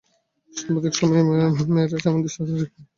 সাম্প্রতিক সময়ে মেরাজ এমন দৃষ্টান্ত রেখেছেন।